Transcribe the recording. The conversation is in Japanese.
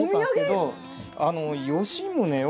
吉宗を。